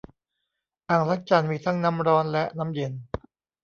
อ่างล้างจานมีทั้งน้ำร้อนและน้ำเย็น